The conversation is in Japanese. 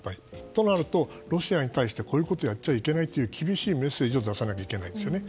となると、ロシアに対してこういうことをやっちゃいけないという厳しいメッセージを出さなきゃいけないですよね。